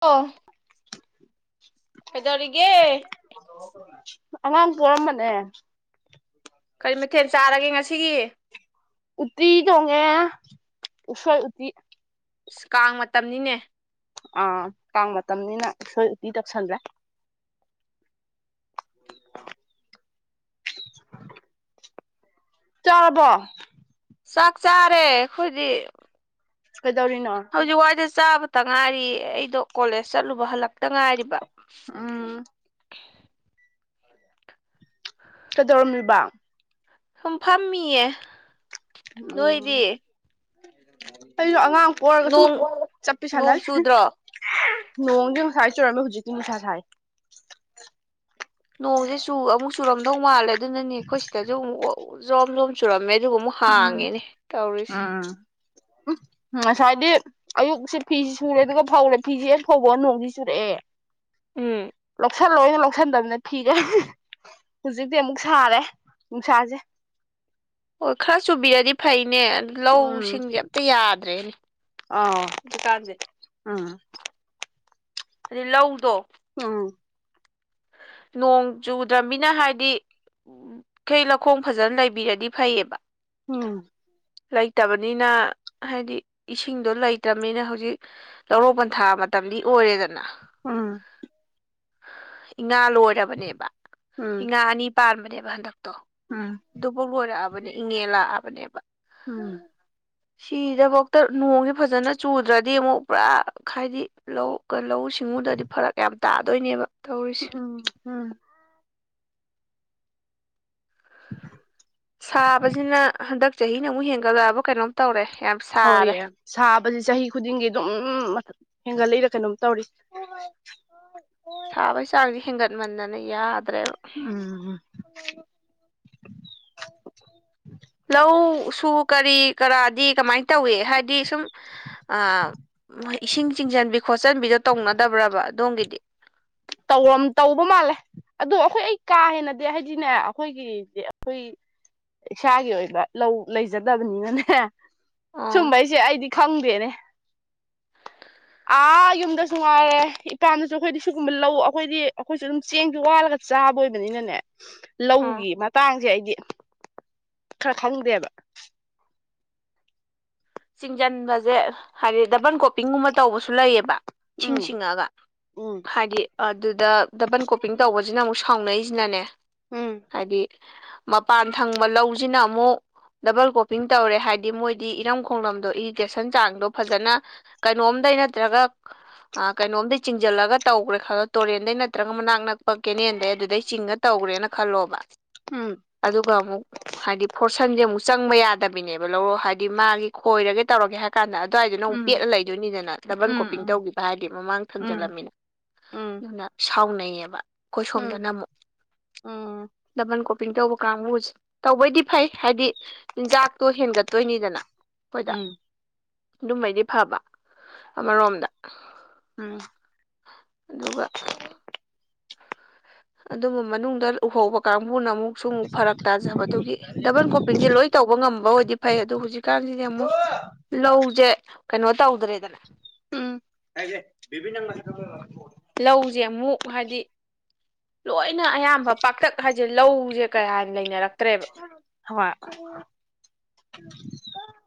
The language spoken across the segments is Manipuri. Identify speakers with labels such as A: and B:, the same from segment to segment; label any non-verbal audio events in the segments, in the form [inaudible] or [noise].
A: ꯑꯣ ꯍꯗꯔꯤꯒꯦ
B: ꯑꯉꯥꯡ ꯄꯔꯝ ꯃꯅꯦ
A: ꯀꯔꯤ ꯃꯊꯦꯜ ꯆꯥꯔꯒꯦ ꯉꯁꯤꯒꯤ
B: ꯎꯠꯇꯤ ꯇꯣꯡꯉꯦ ꯎꯁꯣꯏ ꯎꯇꯤ
A: ꯀꯥꯡ ꯃꯇꯝꯅꯤꯅꯦ
B: ꯑ ꯀꯥꯡ ꯃꯇꯝꯅꯤꯅ ꯁꯣꯏ ꯎꯇꯤ ꯇꯛꯁꯟ꯭ꯔꯦ ꯆꯥꯕ
A: ꯆꯥꯛ ꯆꯥꯔꯦ ꯑꯩꯈꯣꯏꯗꯤ
B: ꯀꯩꯗꯧꯔꯤꯅꯣ
A: ꯍꯧꯖꯤꯛ ꯋꯥꯏꯗ ꯆꯥꯕꯇ ꯉꯥꯏꯔꯤ ꯑꯩꯗꯣ ꯀꯣꯂꯦꯖ ꯆꯠꯂꯨꯕ ꯍꯜꯂꯛꯇ ꯉꯥꯏꯔꯤꯕ
B: ꯑꯥ ꯀꯩꯗꯧꯔꯝꯂꯤꯕ
A: ꯁꯨꯝ ꯐꯝꯃꯤꯌꯦ
B: ꯎꯝ
A: ꯅꯣꯏꯗꯤ
B: ꯑꯩꯁꯨ ꯑꯉꯥꯡ ꯄꯔꯒ ꯁꯨꯝ
A: ꯅꯣꯡ
B: ꯆꯠꯄꯤ
A: ꯅꯣꯡ
B: ꯁꯥꯟꯅꯔꯤ
A: ꯆꯨꯗ꯭ꯔꯣ
B: ꯅꯣꯡꯗꯤ ꯉꯁꯥꯏ ꯆꯨꯔꯝꯃꯦ ꯍꯧꯖꯤꯛꯇꯤ ꯅꯨꯡꯁꯥ ꯁꯥꯏ
A: ꯅꯣꯡꯁꯦ ꯑꯃꯨꯛ ꯆꯨꯔꯝꯗꯧ ꯃꯥꯜꯂꯦ ꯑꯗꯨꯅꯅꯦ ꯑꯩꯈꯣꯏ ꯁꯤꯗꯁꯨ ꯑꯃꯨꯛ ꯖꯣꯝ ꯖꯣꯝ ꯁꯨꯔꯝꯃꯦ ꯑꯗꯨꯒ ꯑꯃꯨꯛ ꯍꯥꯡꯉꯦꯅꯦ ꯇꯧꯔꯤꯁꯦ
B: ꯎ ꯉꯁꯥꯏꯗꯤ ꯑꯌꯨꯛꯁꯦ ꯐꯤꯁꯤꯦ ꯁꯨꯔꯦ ꯑꯗꯨꯒ ꯐꯧꯔꯦ ꯐꯤꯁ ꯍꯦꯛ ꯐꯧꯕ ꯅꯣꯡꯁꯤ ꯆꯨꯔꯛꯑꯦ
A: ꯎꯝ
B: ꯁꯟ ꯂꯣꯏꯅ ꯂꯧꯁꯟꯗꯕꯅ ꯊꯤꯔꯦ ꯍꯧꯖꯤꯛꯇꯤ ꯑꯃꯨꯛ ꯁꯥꯔꯦ ꯅꯨꯡꯁꯥꯁꯦ
A: ꯑꯣ ꯈꯔ ꯆꯨꯕꯤꯔꯗꯤ ꯐꯩꯅꯦ ꯑꯗꯨ ꯂꯧ ꯁꯤꯡꯁꯦ ꯑꯝꯇ ꯌꯥꯗ꯭ꯔꯦꯅꯦ
B: ꯑ
A: ꯁꯨꯨꯀꯥꯗꯦ꯫
B: ꯑꯥ
A: ꯑꯗꯩ ꯂꯧꯗꯣ
B: ꯑ
A: ꯅꯣꯡ ꯆꯨꯗ꯭ꯔꯅꯤꯅ ꯍꯥꯏꯗꯤ꯫ ꯎ ꯀꯩ ꯂꯧꯈꯣꯡ ꯐꯖꯅ ꯂꯩꯕꯤꯔꯗꯤ ꯐꯩꯌꯦꯕ
B: ꯎꯝ
A: ꯂꯩꯇꯕꯅꯤꯅ ꯍꯥꯏꯗꯤ ꯏꯁꯤꯡꯗꯣ ꯂꯩꯇ꯭ꯔꯕꯅꯤꯅ ꯍꯧꯖꯤꯛ ꯂꯧꯔꯣꯛ ꯄꯟꯊꯥ ꯃꯇꯝꯗꯤ ꯑꯣꯏꯔꯦꯗꯅ
B: ꯑ
A: ꯉꯥ ꯂꯣꯏꯔꯕꯅꯦꯕ
B: ꯎꯝ
A: ꯏ ꯉꯥ ꯑꯅꯤ ꯄꯥꯟꯕꯅꯦꯕ ꯍꯟꯗꯛꯇꯣ
B: ꯎꯝ
A: ꯑꯗꯨꯐꯥꯎ ꯂꯣꯏꯔꯛꯑꯕ ꯅꯦ ꯏꯪꯉꯦꯜ ꯂꯥꯛꯑꯕꯅꯦꯕ
B: ꯎꯝ
A: ꯁꯤꯗꯐꯧꯗ ꯅꯣꯡꯁꯦ ꯐꯖꯅ ꯆꯨꯗ꯭ꯔꯗꯤ ꯑꯃꯨꯛ ꯄꯨꯔꯥ ꯍꯥꯏꯗꯤ ꯂꯧ ꯂꯧꯎ ꯁꯤꯡꯎꯗꯗꯤ ꯐꯔꯛ ꯌꯥꯝ ꯇꯥꯗꯣꯏꯅꯦꯕ ꯇꯧꯔꯤ
B: ꯎꯝ ꯎꯝ
A: ꯁꯥꯕꯁꯤꯅ ꯍꯟꯗꯛ ꯆꯍꯤꯅ ꯑꯃꯨꯛ ꯍꯦꯟꯒꯠꯂꯛꯑꯕ ꯀꯩꯅꯣꯝ ꯇꯧꯔꯦ ꯌꯥꯝ
B: ꯍꯣꯏ
A: ꯁꯥꯔꯦ
B: ꯌꯥ ꯁꯥꯕꯕꯁꯤ ꯆꯍꯤ ꯈꯨꯗꯤꯡꯒꯤ ꯑꯗꯨꯝ ꯃꯊ ꯍꯦꯟꯒꯠꯂꯛꯏꯔ ꯀꯩꯅꯣꯝ ꯇꯧꯔꯤ
A: ꯁꯥꯕꯒꯤ ꯆꯥꯡꯁꯦ ꯍꯦꯟꯒꯠꯃꯟꯗꯅ ꯌꯥꯗ꯭ꯔꯦꯕ
B: ꯎꯝ
A: ꯂꯧ ꯁꯨ ꯀꯔꯤ ꯀꯔꯥꯗꯤ ꯀꯃꯥꯏꯅ ꯇꯧꯏ ꯍꯥꯏꯗꯤ ꯁꯨꯝ ꯑ ꯏꯁꯤꯡ ꯆꯤꯡꯁꯤꯟꯕꯤ ꯈꯣꯠꯆꯟꯕꯤꯗꯣ ꯇꯧꯅꯗꯕ꯭ꯔꯕ ꯑꯗꯣꯝꯒꯤꯗꯤ
B: ꯇꯧꯔ ꯇꯧꯕ ꯃꯥꯜꯂꯦ ꯑꯗꯣ ꯑꯩꯈꯣꯏ ꯑꯩ ꯀꯥ ꯍꯦꯟꯅꯗꯤ ꯍꯥꯏꯗꯤꯅꯦ ꯑꯩꯈꯣꯏꯒꯤꯗꯤ ꯑꯩꯈꯣꯏ ꯏꯁꯥꯒꯤ ꯑꯣꯏꯕ ꯂꯧ ꯂꯩꯖꯗꯕꯅꯤꯅꯅꯦ
A: ꯑꯣ
B: ꯁꯨꯝꯕ ꯑꯩꯁꯦ ꯑꯩꯗꯤ ꯈꯪꯗꯦꯅꯦ ꯑꯥ ꯌꯨꯝꯗꯁꯨ ꯉꯥꯏꯔꯦ ꯏꯄꯥꯅꯁꯨ ꯑꯩꯈꯣꯏꯗꯤ ꯨꯝꯕ ꯂꯧ ꯑꯩꯈꯣꯏꯗꯤ ꯑꯩꯈꯣꯏꯁꯨ ꯑꯗꯨꯝ ꯆꯦꯡꯁꯨ ꯋꯥꯠꯂꯒ ꯆꯥꯕ ꯑꯣꯏꯕꯅꯤꯅꯅꯦ
A: ꯑꯣ
B: ꯂꯧꯒꯤ ꯃꯇꯥꯡꯁꯦ ꯑꯩꯗꯤ ꯈꯔ ꯈꯪꯗꯦꯕ
A: ꯆꯤꯡꯁꯤꯟꯕꯁꯦ ꯍꯥꯏꯗꯤ ꯗꯕꯟ ꯀꯣꯞꯄꯤꯡꯒꯨꯝꯕ ꯇꯧꯕꯁꯨ ꯂꯩꯑꯕ ꯁꯤꯡ
B: ꯎꯝ
A: ꯁꯤꯡꯉꯒ
B: ꯎꯝ
A: ꯍꯥꯏꯗꯤ ꯑꯗꯨꯗ ꯗꯕꯟ ꯀꯣꯄꯤꯡ ꯇꯧꯕꯁꯤꯅ ꯑꯃꯨꯛ ꯁꯥꯎꯅꯩꯁꯤꯅꯅꯦ
B: ꯎꯝ
A: ꯍꯥꯏꯗꯤ ꯃꯄꯥꯟ ꯊꯪꯕ ꯂꯧꯁꯤꯅ ꯑꯃꯨꯛ ꯗꯕꯜ ꯀꯣꯄꯤꯡ ꯇꯧꯔꯦ ꯍꯥꯏꯗꯤ ꯃꯣꯏꯗꯤ ꯏꯔꯝ ꯈꯣꯡꯂꯝꯗꯣ ꯏꯔꯤꯒꯦꯁꯟ ꯆꯥꯡꯗꯣ ꯐꯖꯅ ꯀꯩꯅꯣꯝꯗꯩ ꯅꯠꯇ꯭ꯔꯒ ꯀꯩꯅꯣꯝꯗ ꯆꯤꯡꯁꯤꯜꯂꯒ ꯇꯧꯈ꯭ꯔꯦ ꯈꯜꯂꯣ ꯇꯨꯔꯦꯟꯗꯩ ꯅꯠꯇ꯭ꯔꯒ ꯃꯅꯥꯛ ꯅꯛꯄ ꯀꯦꯅꯦꯜꯗꯩ ꯑꯗꯨꯗꯩ ꯆꯤꯡꯉ ꯇꯧꯈ꯭ꯔꯦꯅ ꯈꯜꯂꯣꯕ
B: ꯎꯝ
A: ꯑꯗꯨꯒ ꯑꯃꯨꯛ ꯍꯥꯏꯗꯤ ꯐꯣꯔꯁꯟꯁꯦ ꯑꯃꯨꯛ ꯆꯪꯕ ꯌꯥꯗꯕꯤꯅꯦꯕ ꯂꯧꯔꯣ ꯍꯥꯏꯗꯤ ꯃꯥꯒꯤ ꯈꯣꯏꯔꯒꯦ ꯇꯧꯔꯒꯦ ꯍꯥꯏ ꯀꯥꯟ ꯑꯗꯨꯋꯥꯏꯗ ꯅꯨꯛ
B: ꯎꯝ
A: ꯄꯦꯠꯂ ꯂꯩ ꯑꯗꯨꯅꯤꯗꯅ ꯗꯕꯜ
B: ꯎꯝ
A: ꯀꯣꯄꯤꯡ
B: ꯎꯝ
A: ꯇꯧꯈꯤꯕ ꯍꯥꯏꯔꯗꯤ ꯃꯃꯥꯡ
B: ꯎꯝ
A: ꯊꯝꯖꯜꯂꯝꯃꯤꯅ
B: ꯎꯝ
A: ꯑꯗꯨꯅ ꯁꯥꯎꯅꯩꯌꯦꯕ ꯑꯩꯈꯣꯏ
B: ꯎꯝ
A: ꯁꯣꯝꯗꯅ ꯑꯃꯨꯛ
B: ꯎꯝ
A: ꯗꯕꯟ ꯄꯤꯡ ꯇꯧꯕ ꯀꯥꯡꯕꯨꯁꯦ ꯇꯧꯕꯩꯗꯤ ꯐꯩ ꯍꯥꯏꯗꯤ ꯆꯤꯟꯖꯥꯛꯇꯣ ꯍꯦꯟꯒꯠꯇꯣꯏꯅꯤꯗꯅ ꯑꯩꯈꯣꯏꯗ
B: ꯎꯝ
A: ꯑꯗꯨꯃꯩꯗꯤ ꯐꯕ ꯑꯃꯔꯣꯝꯗ
B: ꯎꯝ
A: ꯑꯗꯨꯒ ꯑꯗꯨꯝꯕ ꯃꯅꯨꯡꯗ ꯎꯍꯧꯕ ꯀꯥꯡꯕꯨꯅ ꯑꯃꯨꯛꯁꯨ ꯑꯃꯨꯛ ꯐꯔꯛ ꯇꯥꯖꯕꯗꯨꯒꯤ ꯗꯕꯜ ꯀꯣꯄꯤꯡꯁꯦ ꯂꯣꯏ ꯇꯧꯕ ꯉꯝꯕ ꯑꯣꯏꯗꯤ ꯐꯩ ꯑꯗꯨꯣ ꯍꯧꯖꯤꯛꯀꯥꯟꯁꯤꯗꯤ ꯑꯃꯨꯛ ꯂꯧꯁꯦ ꯀꯩꯅꯣ ꯇꯧꯗ꯭ꯔꯦꯗꯅ
B: ꯎꯝ [unintelligible]
A: ꯂꯧꯁꯦ ꯑꯃꯨꯛ ꯍꯥꯏꯗꯤ ꯂꯣꯏꯅ ꯑꯌꯥꯝꯕ ꯄꯥꯛꯇꯛ ꯍꯥꯏꯁꯦ ꯂꯧꯁꯦ ꯀꯌꯥ ꯂꯩꯅꯔꯛꯇ꯭ꯔꯦꯕ
B: ꯍꯣꯏ [unintelligible]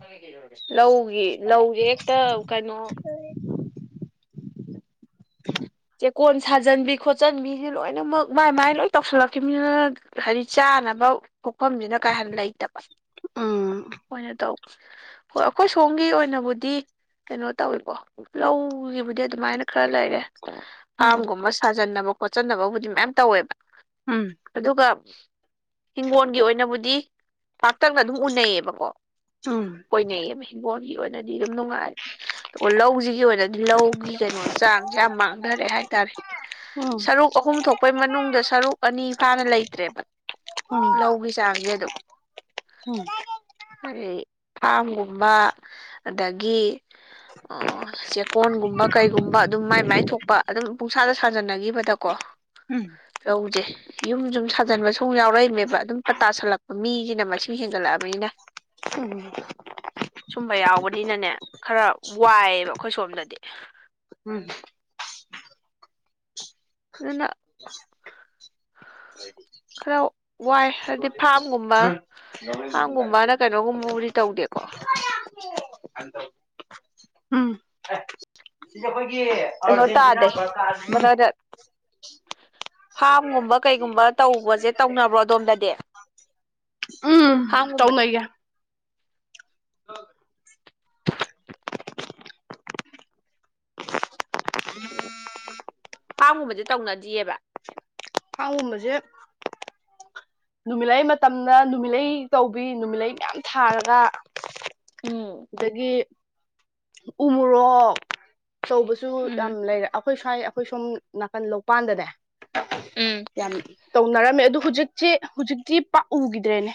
A: [unintelligible] ꯂꯧꯒꯤ ꯂꯧꯁꯦ ꯍꯦꯛꯇ ꯀꯩꯅꯣ ꯆꯦꯛꯀꯣꯟ ꯁꯥꯖꯟꯕꯤ ꯈꯣꯠꯆꯟꯕꯤꯁꯦ ꯂꯣꯏꯅꯃꯛ ꯃꯥꯏ ꯃꯥꯏ ꯂꯣꯏ ꯇꯧꯁꯜꯂꯛꯈꯤꯕꯅꯤꯅ ꯍꯥꯏꯗꯤ ꯆꯥꯅꯕ ꯄꯣꯛꯐꯝꯁꯤꯅ ꯀꯥ ꯍꯥꯟ ꯂꯩꯇꯕ
B: ꯎꯝ
A: ꯑꯣꯏꯅ ꯇꯧ ꯍꯣꯏ ꯑꯩꯈꯣꯏ ꯁꯣꯝꯒꯤ ꯑꯣꯏꯅꯕꯨꯗꯤ ꯀꯩꯅꯣ ꯇꯧꯋꯤꯀꯣ ꯂꯧꯒꯤꯕꯨꯗꯤ ꯑꯗꯨꯃꯥꯏꯅ ꯈꯔ ꯂꯩꯔꯦ
B: ꯎꯝ ꯎꯝ
A: ꯐꯥꯔꯝꯒꯨꯝꯕ ꯁꯥꯖꯟꯅꯕ ꯈꯣꯠꯆꯟꯅꯕꯕꯨꯗꯤ ꯃꯌꯥꯝ ꯇꯧꯋꯦꯕ
B: ꯎꯝ
A: ꯑꯗꯨꯒ ꯍꯤꯡꯒꯣꯜꯒꯤ ꯑꯣꯏꯅꯕꯨꯗꯤ ꯄꯥꯛꯇꯛꯅ ꯑꯗꯨꯝ ꯎꯅꯩꯌꯦꯕꯀꯣ ꯑꯣꯏꯅꯩꯌꯦꯕ ꯍꯤꯡꯒꯣꯣ꯫ꯟꯒꯤ ꯑꯣꯏꯅꯗꯤ ꯑꯗꯨꯝ ꯅꯨꯡꯉꯥꯏ ꯑꯗꯨꯒ ꯂꯧꯁꯤꯒꯤ ꯑꯣꯏꯅꯗꯤ ꯂꯧꯒꯤ ꯀꯩꯅꯣ ꯆꯥꯡꯁꯦ ꯌꯥꯝ ꯃꯥꯡꯉ ꯗꯔꯦ ꯍꯥꯏꯇꯥꯔꯦ
B: ꯎꯝ
A: ꯁꯔꯨꯛ ꯑꯍꯨꯝ ꯊꯣꯛꯄꯩ ꯃꯅꯨꯡꯗ ꯁꯔꯨꯛ ꯑꯅꯤ ꯐꯥꯅ ꯂꯩꯇ꯭ꯔꯦꯕ ꯂꯧꯒꯤ ꯆꯥꯡꯁꯦ ꯑꯗꯨꯝ
B: ꯎꯝ [unintelligible]
A: ꯀꯔꯤ ꯐꯥꯝꯒꯨꯝꯕ ꯑꯗꯒꯤ ꯑꯣ ꯆꯦꯛꯀꯣꯟꯒꯨꯝꯕ ꯀꯩꯒꯨꯝꯕ ꯑꯗꯨꯝ ꯃꯥꯏ ꯃꯥꯏ ꯊꯣꯛ ꯑꯗꯨꯝ ꯄꯨꯡꯁꯥꯗ ꯁꯥꯖꯟꯅꯈꯤꯕꯗꯀꯣ
B: ꯎꯝ
A: ꯂꯧꯖꯦ ꯌꯨꯝꯁꯨ ꯁꯥꯖꯟꯕ ꯁꯨꯝ ꯌꯥꯎꯔꯛꯏꯕꯅꯦꯕ ꯑꯗꯨꯝ ꯄꯇꯥꯁꯤꯜꯂꯛꯄ ꯃꯤꯁꯤꯅ ꯃꯁꯤꯡ ꯍꯦꯟꯒꯠꯂꯛꯑꯕꯅꯤꯅ
B: ꯎꯝ [unintelligible]
A: ꯁꯨꯝꯕ ꯌꯥꯎꯕꯅꯤꯅꯅꯦ ꯈꯔ ꯋꯥꯏꯑꯦꯕ ꯑꯩꯈꯣꯏ ꯁꯣꯝꯗꯗꯤ
B: ꯎꯝ
A: ꯑꯗꯨꯅ ꯈꯔ ꯋꯥꯏ ꯍꯥꯏꯗꯤ ꯐꯥꯝꯒꯨꯝꯕ ꯐꯥꯝꯒꯨꯝꯕꯅ ꯀꯩꯅꯣꯒꯨꯝꯕꯕꯨꯗꯤ ꯇꯧꯗꯦ
B: ꯁꯤꯗꯤ ꯑꯩꯈꯣꯏꯒꯤ
A: ꯀꯩꯅꯣ
B: ꯑꯥꯔꯖꯦꯟꯇꯤꯅꯥ
A: ꯇꯥꯗꯦ
B: ꯕꯔꯀꯥꯅꯤ
A: [inaudible] ꯐꯥꯝꯒꯨꯝꯕ ꯀꯩꯒꯨꯝꯕ ꯇꯧꯕꯁꯦ ꯇꯧꯅꯕ꯭ꯔꯣ ꯑꯗꯣꯝꯗꯗꯤ
B: ꯎꯝ
A: ꯐꯥꯝꯒꯨꯝꯕꯗꯤ
B: ꯇꯧꯅꯩꯌꯦ
A: ꯐꯥꯝꯒꯨꯝꯕꯗꯤ ꯇꯧꯅꯗꯤꯑꯦꯕ
B: ꯀꯨꯝꯕꯁꯦ ꯅꯨꯃꯤꯠꯂꯩ ꯃꯇꯝꯗ ꯅꯨꯃꯤꯠꯂꯩ ꯇꯧꯕꯤ ꯅꯨꯃꯤꯠꯂꯩ ꯃꯌꯥꯝ ꯊꯥꯔꯒ
A: ꯎꯝ
B: ꯑꯗꯒꯤ ꯎꯃꯣꯔꯣꯛ ꯇꯧꯕꯁꯨ
A: ꯎꯝ
B: ꯌꯥꯝ ꯂꯩꯔꯦ ꯑꯩꯈꯣꯏ ꯁ꯭ꯋꯥꯏ ꯑꯩꯈꯣꯏ ꯁꯣꯝ ꯅꯥꯀꯟ ꯂꯣꯛꯄꯥꯟꯗꯅꯦ
A: ꯎꯝ
B: ꯌꯥꯝ ꯇꯧꯅꯔꯝꯃꯦ ꯑꯗꯨ ꯍꯧꯖꯤꯛꯁꯤ ꯍꯧꯖꯤꯛꯇꯤ ꯄꯥꯛꯎꯈꯤꯗ꯭ꯔꯦꯅꯦ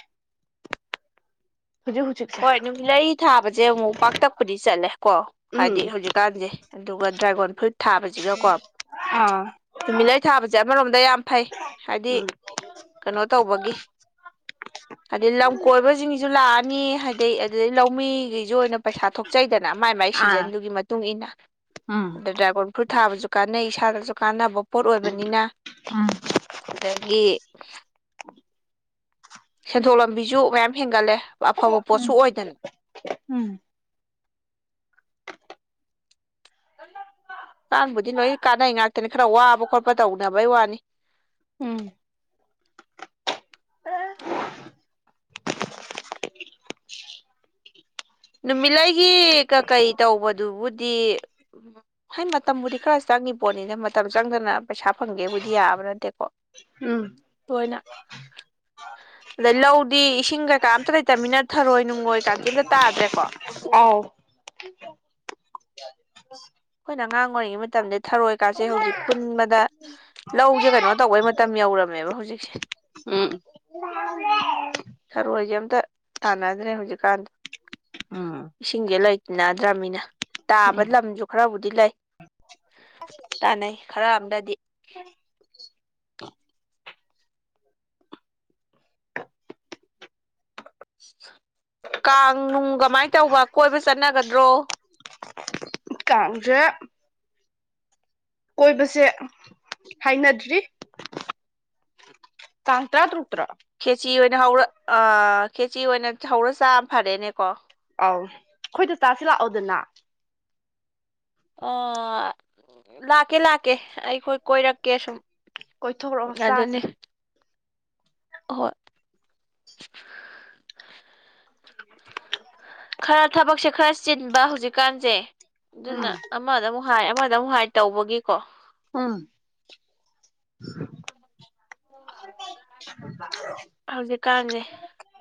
B: ꯍꯧꯖꯤꯛ ꯍꯧꯖꯤꯛ
A: ꯍꯣꯏ ꯅꯨꯃꯤꯠꯂꯩ ꯊꯥꯕꯁꯦ ꯑꯃꯨꯛ ꯄꯥꯛꯇꯛꯄꯨꯗꯤ ꯆꯠꯂꯦꯀꯣ
B: ꯎꯝ
A: ꯍꯥꯏꯗꯤ ꯍꯧꯖꯤꯛꯀꯥꯟꯁꯦ ꯑꯗꯨꯒ ꯗ꯭ꯔꯥꯒꯣꯟ ꯐ꯭ꯔꯨꯠ ꯊꯥꯕꯁꯤꯒꯀꯣ
B: ꯑꯥ
A: ꯅꯨꯨꯃꯤꯠꯂꯥꯏ ꯊꯥꯕꯁꯦ ꯑꯃꯔꯣꯝꯗ ꯌꯥꯝ ꯐꯩ ꯍꯥꯏꯗꯤ
B: ꯎꯝ
A: ꯀꯩꯅꯣ ꯇꯧꯕꯒꯤ ꯍꯥꯏꯗꯤ ꯂꯝ ꯀꯣꯏꯕꯁꯤꯡꯁꯨ ꯂꯥꯛꯑꯅꯤ ꯍꯥꯏꯗꯤ ꯑꯗꯨꯗꯩ ꯂꯧꯃꯤꯒꯤꯁꯨ ꯑꯣꯏꯅ ꯄꯩꯁꯥ ꯊꯣꯛꯆꯩꯗꯅ ꯃꯥꯏ ꯃꯥꯏ
B: ꯑꯥ
A: ꯁꯤꯖꯟꯗꯨꯒꯤ ꯃꯇꯨꯡ ꯏꯟꯅ ꯑ ꯗ꯭ꯔꯥꯏꯒꯣꯟ ꯐ꯭ꯔꯨꯠ ꯊꯥꯕꯁꯨ ꯀꯥꯟꯅꯩ ꯏꯁꯥꯗꯁꯨ ꯀꯥꯟꯅꯕ ꯄꯣꯠ ꯑꯣꯏꯕꯅꯤꯅ ꯑꯗꯒꯤ ꯁꯦꯟꯊꯣꯛ ꯂꯝꯕꯤꯁꯨ ꯃꯌꯥꯝ ꯍꯦꯟꯒꯠꯂꯦ ꯑꯐꯕ ꯄꯣꯠꯁꯨ ꯑꯣꯏꯗꯅ
B: ꯎꯝ
A: ꯀꯕꯨꯗꯤ ꯂꯣꯏ ꯀꯥꯟꯅꯩ ꯉꯥꯛꯇꯅꯤ ꯈꯔ ꯋꯥꯕ ꯈꯣꯠꯄ ꯇꯧꯅꯕꯩ ꯋꯥꯅꯤ
B: ꯎꯝ ꯑ
A: ꯅꯨꯃꯤꯠꯂꯩꯒꯤ ꯀꯀꯩ ꯇꯧꯕꯗꯨꯕꯨꯗꯤ ꯎ ꯍ ꯃꯇꯝꯕꯨꯗꯤ ꯈꯔ ꯆꯪꯉꯤ ꯄꯣꯠꯅꯤꯅ ꯃꯇꯝ ꯆꯪꯗꯅ ꯄꯩꯁꯥ ꯐꯪꯒꯦꯕꯨꯗꯤ ꯌꯥꯕ ꯅꯠꯇꯦꯀꯣ
B: ꯎꯝ
A: ꯂꯣꯏꯅ ꯑꯗꯩ ꯂꯧꯗꯤ ꯏꯁꯤꯡ ꯀꯩꯀꯥ ꯑꯝꯇ ꯂꯩꯇꯃꯤꯅ ꯊꯔꯣꯏ ꯅꯨꯡꯉꯣꯏ ꯀꯥꯟꯇ ꯑꯝꯇ ꯇꯥꯗ꯭ꯔꯦ
B: ꯑꯥꯎ
A: ꯑꯩꯈꯣꯏꯅ ꯑꯉꯥꯡ ꯑꯣꯏꯔꯤꯉꯩ ꯃꯇꯝꯗ ꯊꯔꯣꯏꯀꯥꯁꯦ ꯍꯧꯖꯤꯛ ꯈꯨꯟꯕꯗ ꯂꯧꯁꯦ ꯀꯩꯅꯣ ꯇꯧꯕꯩ ꯃꯇꯝ ꯌꯧꯔꯝꯃꯦꯕ ꯍꯧꯖꯤꯛꯁꯦ
B: ꯎꯝ
A: ꯁꯔꯣꯏꯁꯦ ꯑꯝꯇ ꯇꯥꯟꯅꯗ꯭ꯔꯦ ꯍꯧꯖꯤꯛꯀꯥꯟꯗ ꯏꯁꯤꯡꯁꯦ ꯂꯩ ꯗ꯭ꯔꯃꯤꯅ ꯇꯥꯕ ꯂꯝꯁꯨ ꯈꯔꯕꯨꯗꯤ ꯂꯩ ꯇꯥꯟꯅꯩ ꯈꯔ ꯑꯝꯗꯗꯤ ꯀꯥꯡ ꯅꯨꯡ ꯀꯃꯥꯏꯅ ꯇꯧꯕ ꯀꯣꯏꯕ ꯆꯠꯅꯒꯗ꯭ꯔꯣ
B: ꯀꯥꯡꯖꯦ ꯀꯣꯏꯕꯁꯦ ꯍꯥꯏꯅꯗ꯭ꯔꯤ ꯇꯥꯡ ꯇꯔꯥ ꯇꯔꯨꯛꯇ꯭ꯔ
A: ꯈꯦꯆꯤ ꯑꯣꯏꯅ ꯍꯧꯔ ꯈꯦꯆꯤ ꯑꯣꯏꯅ ꯍꯧꯔ ꯆꯥ ꯑꯃ ꯐꯔꯦꯅꯦꯀꯣ
B: ꯑꯧ ꯑꯩꯈꯣꯏꯗ ꯆꯥꯁꯤ ꯂꯥꯛꯑꯣꯗꯅ
A: ꯑ ꯂꯥꯛꯀꯦ ꯂꯥꯛꯀꯦ ꯑꯩꯈꯣꯏ ꯀꯣꯏꯔꯛꯀꯦ ꯁꯨꯝ
B: ꯀꯣꯏꯊꯣꯔꯛꯑꯣ ꯆꯥꯁꯦ
A: ꯑꯍꯣꯏ
B: [inaudible]
A: ꯈꯔ ꯊꯕꯛꯁꯦ ꯈꯔ ꯆꯤꯟꯕ ꯍꯧꯖꯤꯛꯀꯥꯟꯁꯦ ꯑꯗꯨꯅ
B: ꯎꯝ
A: ꯑꯃꯗ ꯑꯃꯨꯛ ꯍꯥꯏ ꯑꯃꯗ ꯑꯃꯨꯛ ꯍꯥꯏ ꯇꯧꯕꯒꯤꯀꯣ
B: [inaudible]
A: ꯍꯧꯖꯤꯛꯀꯥꯟꯁꯦ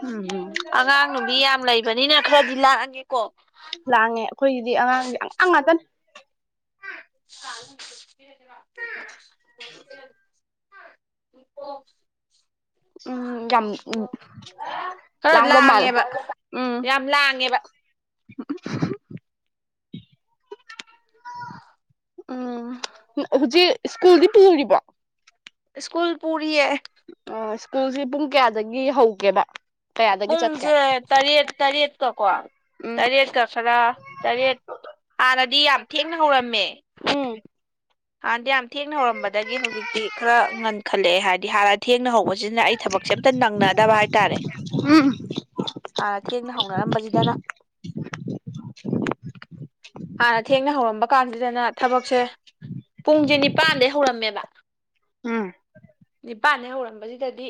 B: ꯎꯝ
A: ꯑꯉꯥꯡ ꯅꯨꯕꯤ ꯌꯥꯝ ꯂꯩꯕꯅꯤꯅ ꯈꯔꯗꯤ ꯂꯥꯛꯑꯒꯦꯀꯣ
B: ꯂꯥꯡꯉꯦ ꯑꯩꯈꯣꯏꯒꯤꯗꯤ ꯑꯉꯥꯡꯗꯤ ꯑꯉꯥꯡ ꯉꯥꯛꯇꯟ
A: [inaudible] ꯑꯣ
B: ꯎꯝ ꯌꯥꯝ ꯂꯥꯡꯕ ꯃꯥꯜꯂꯦ ꯎꯝ
A: ꯉꯦꯕ
B: [unintelligible] ꯎꯝ ꯍꯧꯖꯤꯛ ꯁ꯭ꯀꯨꯜꯗꯤ ꯄꯨꯔꯤꯕꯣ꯫
A: ꯁꯀꯨꯜ ꯄꯨꯔꯤ ꯑꯦ꯫
B: ꯑ ꯁ꯭ꯀꯨꯜꯁꯦ ꯄꯨꯡ ꯀꯌꯥꯗꯒꯤ ꯍꯧꯒꯦꯕ꯫ ꯀꯌꯥꯗꯒꯤ ꯆꯠꯀꯦ
A: ꯄꯨꯡꯁꯦ ꯇꯔꯦꯠ ꯇꯔꯦꯠꯇꯀꯣ
B: ꯎꯝ
A: ꯇꯔꯦꯠꯇ ꯈꯔ꯫ ꯇꯔꯦꯠ ꯍꯥꯟꯅꯗꯤ ꯌꯥꯝ ꯊꯦꯡꯅ ꯍꯧꯔꯝꯃꯦ꯫
B: ꯎꯝ꯫
A: ꯍꯥꯟꯗꯤ ꯌꯥꯝ ꯊꯦꯡꯅ ꯍꯧꯔꯝꯕꯗꯒꯤ ꯍꯧꯖꯤꯛꯇꯤ ꯈꯔ ꯉꯟꯈꯠꯂꯛꯑꯦ ꯍꯥꯏꯗꯤ ꯍꯥꯟꯅ꯫ ꯊꯦꯡꯅ ꯍꯧꯕꯁꯤꯅ ꯑꯩ ꯊꯕꯛꯁꯦ ꯑꯝꯇ ꯅꯪꯅꯗꯕ ꯍꯥꯏꯇꯥꯔꯦ꯫
B: ꯎꯝ꯫
A: ꯍꯥꯟꯅ ꯊꯦꯡꯅ ꯍꯧꯅꯔꯝꯕꯁꯤꯗꯅ ꯍꯥꯟꯅ ꯊꯦꯡꯅ ꯍꯧꯔꯝꯕ ꯀꯥꯟꯁꯤꯗꯅ ꯊꯕꯛꯁꯦ ꯄꯨꯡꯁꯦ ꯅꯤꯄꯥꯟꯗꯒꯤꯩ ꯍꯧꯔꯝꯃꯦꯕ
B: ꯎꯝ
A: ꯄꯥꯟꯅꯦꯩ ꯍꯧꯔꯝꯕꯁꯤꯗꯗꯤ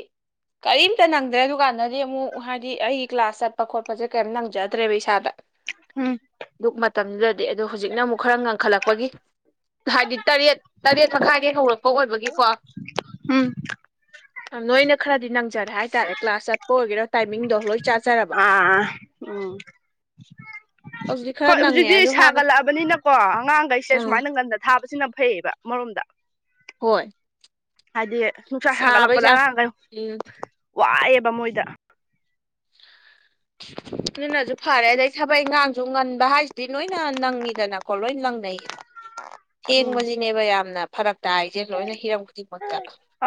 A: ꯀꯔꯤꯝꯇ ꯅꯪꯗ꯭ꯔꯦ ꯗꯨꯀꯥꯟꯗꯗꯤ ꯑꯃꯨꯛ ꯍꯥꯏꯗꯤ ꯑꯩ ꯀ꯭ꯂꯥꯁ ꯆꯠꯄ ꯈꯣꯠꯄꯁꯦ ꯀꯩꯝꯇ ꯅꯪꯖꯗ꯭ꯔꯦꯕ ꯏꯁꯥꯗ
B: ꯎꯝ
A: ꯑꯗꯨꯛ ꯃꯇꯝꯗꯨꯗꯗꯤ ꯑꯗꯨ ꯍꯧꯖꯤꯛꯅ ꯑꯃꯨꯛ ꯈꯔ ꯉꯟꯈꯠꯂꯛꯄꯒꯤ ꯍꯥꯏꯗꯤ ꯇꯔꯦꯠ ꯇꯔꯦꯠ ꯃꯈꯥꯏꯗꯒꯤ ꯍꯧꯔꯛꯄ ꯑꯣꯏꯕꯒꯤꯀꯣ
B: ꯎꯝ
A: ꯅꯣꯏꯅ ꯈꯔꯗꯤ ꯅꯪꯖꯔꯦ ꯍꯥꯏꯇꯥꯔꯦ ꯀ꯭ꯂꯥꯁ ꯆꯠꯄ ꯑꯣꯏꯒꯦꯔꯥ ꯇꯥꯏꯃꯤꯡꯗꯣ ꯂꯣꯏ ꯆꯥꯖꯔꯕ
B: ꯑꯥ ꯎꯝ
A: ꯍꯧꯖꯤꯛ
B: ꯍꯣꯏ ꯍꯧꯖꯤꯛꯇꯤ ꯁꯥꯒꯠꯂꯛꯑꯕꯅꯤꯅꯀꯣ ꯑꯉꯥꯡꯈꯩꯁꯦ
A: ꯑꯥ
B: ꯁꯨꯃꯥꯏꯅ ꯉꯟꯗ ꯊꯥꯕꯁꯤꯅ ꯐꯩꯌꯦꯕ ꯃꯔꯣꯝꯗ꯫
A: ꯍꯣꯏ
B: ꯍꯥꯏꯗꯤ ꯅꯨꯡꯁꯥ
A: ꯁꯥꯕꯩ
B: ꯁꯥꯒꯠꯂꯛꯄꯗ
A: ꯆꯥꯡ
B: ꯑꯉꯥꯡ ꯈꯩ꯫
A: ꯎꯝ
B: ꯋꯥꯏꯑꯦꯕ ꯃꯣꯏꯗ꯫
A: ꯑꯗꯨꯅꯁꯨ ꯐꯔꯦ ꯑꯗꯩ ꯊꯕꯛ ꯏꯪꯈꯥꯡꯁꯨ ꯉꯟꯕ ꯍꯥꯏꯁꯤꯗꯤ ꯂꯣꯏꯅ ꯅꯪꯉꯤꯗꯅꯀꯣ ꯂꯣꯏ ꯂꯪꯅꯩ꯫
B: ꯎꯝ
A: ꯊꯦꯡꯕꯁꯤꯅꯦꯕ ꯌꯥꯝꯅ꯫ ꯐꯔꯛꯛꯇ ꯇꯥꯏꯁꯦ ꯂꯣꯏꯅ ꯍꯤꯔꯝ ꯈꯨꯗꯤꯡꯃꯛꯇ꯫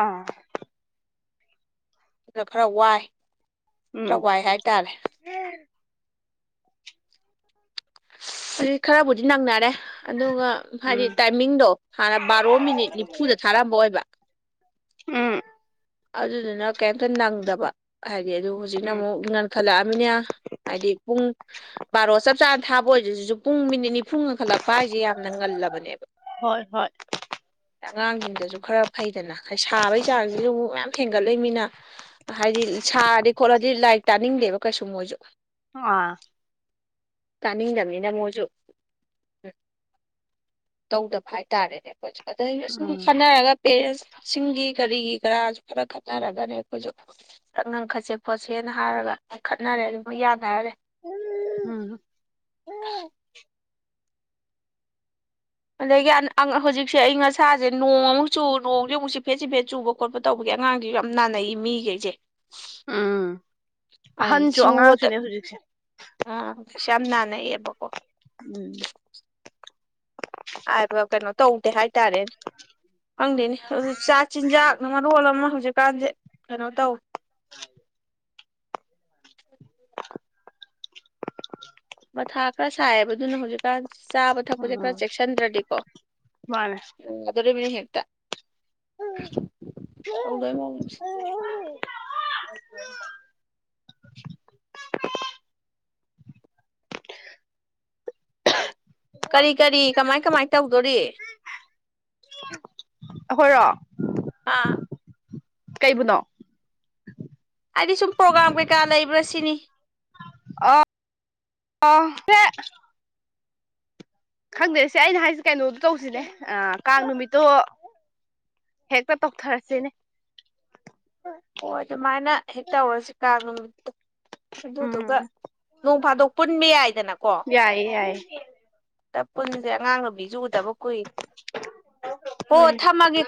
B: ꯑꯥ
A: ꯑꯗꯨꯅ ꯈꯔ ꯋꯥꯏ ꯈꯔ
B: ꯎꯝ
A: ꯋꯥꯏ ꯍꯥꯏꯇꯥꯔꯦ꯫ ꯑꯗꯨꯗꯤ ꯈꯔꯕꯨꯗꯤ ꯅꯪꯅꯔꯦ꯫ ꯑꯗꯨꯒ ꯍꯥꯏꯗꯤ
B: ꯎꯝ
A: ꯇꯥꯏꯃꯤꯡꯗꯣ ꯍꯥꯟꯅ ꯕꯥꯔꯣ ꯃꯤꯅꯤꯠ ꯅꯤꯐꯨꯗ ꯊꯥꯔꯝꯕ ꯑꯣꯏꯕ꯫
B: ꯎꯝ꯫
A: ꯑꯗꯨꯗꯨꯅ ꯀꯩꯝꯇ ꯅꯪꯗꯕ ꯍꯥꯏꯗꯤ ꯑꯗꯨ ꯍꯧꯖꯤꯛꯅ
B: ꯎꯝ
A: ꯑꯃꯨꯛ꯫ ꯈꯠ ꯂꯛꯑꯝꯃꯤꯅ ꯍꯥꯏꯗꯤ ꯄꯨꯡ꯫ ꯕꯥꯔꯣ ꯆꯞ ꯆꯥꯅ ꯊꯥꯕ ꯑꯣꯏꯗꯨꯁꯨ ꯄꯨꯡ ꯃꯤꯅꯤꯠ ꯅꯤꯐꯨ ꯉꯟꯈꯠꯂꯛꯄ ꯍꯥꯏꯁꯦ ꯌꯥꯝꯅ ꯉꯜꯂꯕꯅꯦꯕ꯫
B: ꯍꯣꯏ ꯍꯣꯏ꯫
A: ꯑꯉꯥꯡꯁꯤꯡꯗꯁꯨ ꯈꯔ ꯐꯩꯗꯅ ꯁꯥꯕꯩ ꯆꯥꯡꯁꯤꯗꯕꯨ ꯑꯃꯨꯛ꯫ ꯍꯦꯟꯒꯠꯂꯛ ꯃꯤꯅ ꯍꯥꯏꯗꯤ ꯁꯥꯔꯗꯤ ꯈꯣꯠꯂꯗꯤ ꯂꯥꯏꯔꯤꯛ ꯇꯥꯅꯤꯡꯗꯦꯕ ꯀꯩꯁꯨ ꯃꯣꯏꯁꯨ꯫
B: [unintelligible]
A: ꯇꯥꯅꯤꯡꯗꯝꯅꯤꯅ ꯃꯣꯏꯁꯨ ꯎꯝ꯫ ꯇꯧꯗꯕ ꯍꯥꯏꯇꯥꯔꯦꯅꯦ ꯑꯩꯈꯣꯏꯁꯨ ꯑꯗꯩ ꯁꯨꯝ
B: ꯎꯝ
A: ꯈꯅꯔꯒ ꯄꯦꯔꯦꯟꯁꯁꯤꯡꯒꯤ ꯀꯔꯤꯒꯤ ꯀꯔꯥ꯫ ꯈꯔ ꯈꯠꯅꯔꯒꯅꯦ ꯑꯈꯣꯏꯁꯨ꯫ ꯉꯪꯈꯠꯁꯦ ꯈꯣꯠꯁꯦꯅ ꯍꯥꯏꯔꯒ ꯉꯪꯈꯠꯅꯔꯦ ꯑꯗꯨꯝ ꯌꯥꯅꯔꯦ꯫
B: [unintelligible]
A: ꯑꯗꯒꯤ ꯍꯧꯖꯤꯛꯁꯦ ꯑꯥꯏꯪ ꯑꯥꯁꯥꯁꯦ ꯅꯣꯡ ꯑꯃꯨꯛ ꯆꯨ ꯅꯣꯡꯁꯦ ꯑꯃꯨꯛ ꯆꯤꯐꯦꯠ ꯆꯤꯐꯦꯠ ꯆꯨꯕ꯫ ꯈꯣꯠꯄ ꯇꯧꯕꯒꯤ ꯑꯉꯥꯡꯈꯩꯁꯨ ꯌꯥꯝ ꯅꯥꯅꯩꯌꯦ ꯃꯤꯈꯩꯁꯦ꯫
B: ꯎꯝ
A: ꯑꯩ
B: ꯑꯍꯟꯁꯨ
A: ꯁꯨ ꯇ꯫
B: ꯑꯉꯥꯡꯁꯨꯅꯦ ꯍꯧꯖꯤꯛꯁꯦ
A: ꯑꯥꯁ ꯍꯧꯖꯤꯛꯁꯦ ꯌꯥꯝ ꯅꯥꯟꯅꯩꯌꯦꯕꯀꯣ꯫
B: ꯎꯝ꯫
A: ꯍꯥꯏꯕ ꯀꯩꯅꯣ ꯇꯧꯗꯦ ꯍꯥꯏꯇꯥꯔꯦꯅꯦ ꯈꯪꯗꯦꯅꯦ ꯑꯗꯤ ꯆꯥꯛ ꯆꯤꯟꯖꯥꯛ꯫ ꯃꯔꯣꯜ ꯑꯃ ꯍꯧꯖꯤꯛꯀꯥꯟꯁꯦ ꯀꯩꯅꯣ ꯇꯧꯏ꯫ [unintelligible] ꯃꯊꯥ ꯈꯔ ꯁꯥꯏꯌꯦꯕ ꯑꯗꯨꯅ ꯍꯧꯖꯤꯛꯀꯥꯟ ꯆꯥꯕ ꯊꯛꯄꯁꯦ ꯈꯔ
B: ꯎꯝ
A: ꯆꯦꯛꯁꯤꯟꯗ꯭ꯔꯗꯤꯀꯣ
B: ꯃꯥꯅꯦ
A: ꯗꯣꯔ ꯃꯤꯅꯤ ꯍꯦꯇꯗ ꯀꯔꯤ ꯀꯔꯤ ꯀꯃꯥꯏ ꯀꯃꯥꯏ ꯇꯧꯗꯣꯔꯤ
B: ꯍꯈꯣꯏꯔꯣ
A: ꯑꯥ
B: ꯀꯩꯕꯨꯅꯣ
A: ꯍꯥꯏꯗꯤ ꯁꯨꯝ ꯄ꯭ꯔꯣꯒꯥꯝ ꯀꯩꯀꯥ ꯂꯩꯕ꯭ꯔꯥ ꯁꯤꯅꯤ
B: ꯑ ꯑ ꯈꯪꯗꯦꯁꯦ ꯑꯩꯅ ꯍꯥꯏꯁꯦ ꯀꯩꯅꯣꯗꯣ ꯇꯧꯁꯤꯅꯦ ꯀꯥꯡ ꯅꯨꯃꯤꯠꯇꯣ ꯍꯦꯛꯇ ꯇꯧꯊꯔꯁꯤꯅꯦ꯫
A: ꯑꯣ ꯑꯗꯨꯃꯥꯏꯅ ꯍꯦꯛ ꯇꯧꯔꯁꯤ ꯀꯥꯡ꯫ ꯑꯗꯨꯗꯨꯒ
B: ꯎꯝ
A: ꯅꯣꯡ ꯐꯥꯗꯣꯛ ꯄꯨꯟꯕ ꯌꯥꯏꯗꯅꯀꯣ꯫
B: ꯌꯥꯏꯌꯦ ꯌꯥꯏꯌꯦ
A: ꯑꯃꯇ ꯄꯨꯟꯁꯦ ꯑꯉꯥꯡ ꯅꯨꯕꯤꯁꯨ ꯎꯗꯕ ꯀꯨꯏꯔꯦ ꯍꯣ
B: ꯎꯝ
A: ꯊꯝꯃꯒꯦ꯫